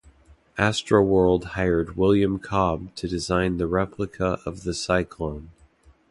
Astroworld hired William Cobb to design the replica of the Cyclone.